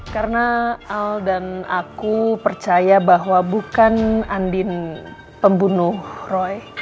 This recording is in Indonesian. karena al dan aku percaya bahwa bukan andin pembunuh roy